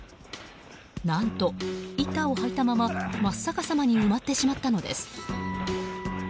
何と板を履いたまま真っ逆さまに埋まってしまったのです。